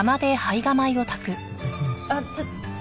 あっちょっ。